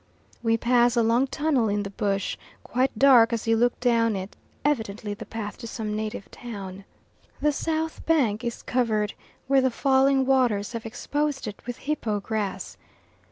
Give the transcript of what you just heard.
We pass a long tunnel in the bush, quite dark as you look down it evidently the path to some native town. The south bank is covered, where the falling waters have exposed it, with hippo grass.